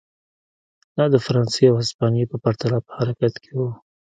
دا د فرانسې او هسپانیې په پرتله په حرکت کې و.